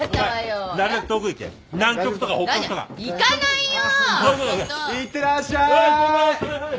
いってらっしゃい。